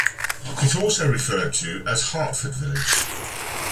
It also referred to as Hartford Village.